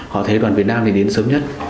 họ thấy đoàn việt nam thì đến sớm nhất